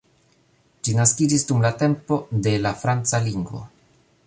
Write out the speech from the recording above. Ĝi naskiĝis dum la tempo de la franca lingvo.